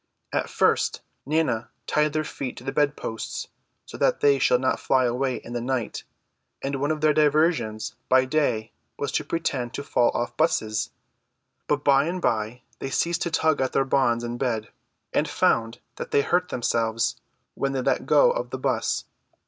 At first Nana tied their feet to the bed posts so that they should not fly away in the night; and one of their diversions by day was to pretend to fall off buses; but by and by they ceased to tug at their bonds in bed, and found that they hurt themselves when they let go of the bus.